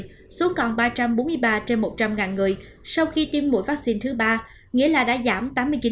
tỷ lệ tử vong đã giảm từ ba hai trăm ba mươi bảy trên một trăm linh người sau khi tiêm mũi vaccine thứ ba nghĩa là đã giảm tám mươi chín